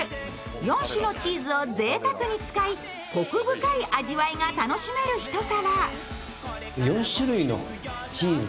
４種のチーズをぜいたくに使い、コク深い味わいが楽しめる一皿。